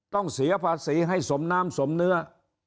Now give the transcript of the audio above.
ต้องเสียภาษีให้สมน้ำสมเนื้อ